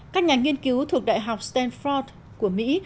các nhà nghiên cứu thuộc đại học stanford của mỹ